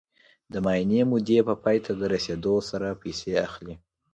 د معینې مودې په پای ته رسېدو سره پیسې اخلي